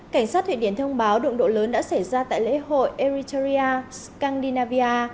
cảnh sát thuyền điển thông báo đụng độ lớn đã xảy ra tại lễ hội eritrea scandinavia